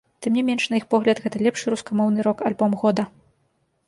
Тым не менш, на іх погляд гэта лепшы рускамоўны рок-альбом года.